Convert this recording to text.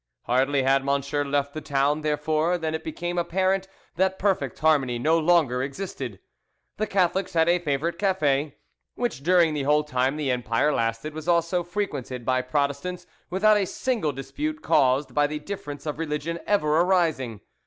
Hardly had Monsieur left the town, therefore, than it became apparent that perfect harmony no longer existed. The Catholics had a favorite cafe, which during the whole time the Empire lasted was also frequented by Protestants without a single dispute caused by the difference of religion ever arising.